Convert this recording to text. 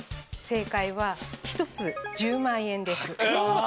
正解は１つ１０万円です。